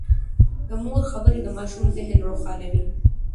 د مور خبرې د ماشوم ذهن روښانوي.